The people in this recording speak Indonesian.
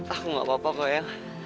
aku gaapa apa kok ya